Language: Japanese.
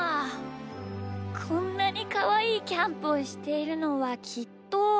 こんなにかわいいキャンプをしているのはきっと。